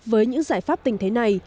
với những giải pháp tình thế này